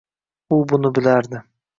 U buni bilardi.